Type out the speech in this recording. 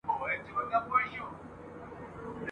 زه د هغه ښار لیدلو ته یم تږی !.